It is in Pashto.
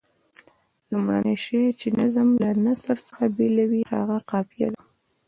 لومړنی شی چې نظم له نثر څخه بېلوي هغه قافیه ده.